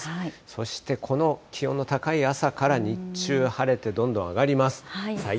そしてこの気温の高い朝から日中、晴れてどんどん上がります。